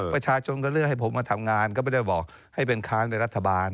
ประชาชนก็เลือกให้ผมมาทำงานก็ไม่ได้บอกให้เป็นค้างในรัฐบาล